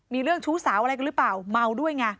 มีเรื่องชู้สาวอะไรกันหรือเปล่าเมาด้วยไง